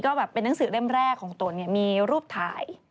ก็แบบเป็นหนังสือเล่มแรกของตนเนี่ยมีรูปถ่าย